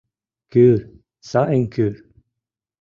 Кӱр, сайын кӱр!